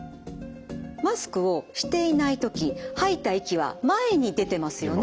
マスクをしていない時吐いた息は前に出てますよね。